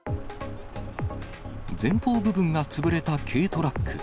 前方部分が潰れた軽トラック。